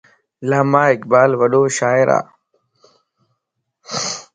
علاما اقبال وڏو شاعر ا